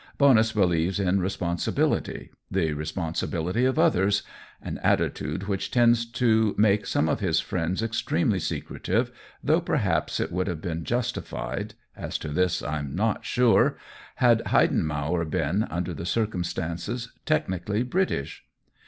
Bonus believes in responsibility — the responsibility of oth ers — an attitude which tends to make some of his friends extremely secretive, though perhaps it would have been justified — as to this I*m not sure — had Heidenmauer been, under the circumstances, technically British.